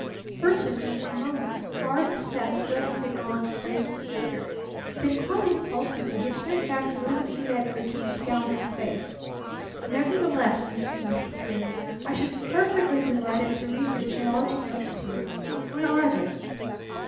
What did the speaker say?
Furtively for a moment Barton sat studying the gaunt, graceful figure. Then quite impulsively he turned back to little Eve Edgarton's scowling face. "Nevertheless, Miss Eve," he grinned, "I should be perfectly delighted to read your geology notes to you. Where are they?"